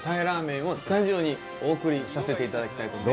ラーメンをスタジオにお送りさせていただきたい。